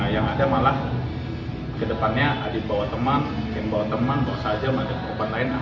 yang ada malah ke depannya adik bawa teman ken bawa teman bawa saja